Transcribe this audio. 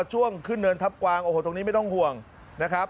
ช่วงขึ้นเนินทับกวางโอ้โหตรงนี้ไม่ต้องห่วงนะครับ